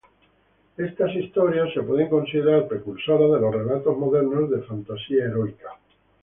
Estas historias pueden considerarse precursoras de los relatos modernos de fantasía heroica.